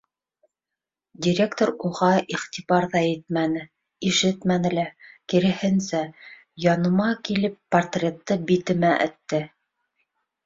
Директор уға иғтибар ҙа итмәне, ишетмәне лә, киреһенсә, яныма килеп портретты битемә этте: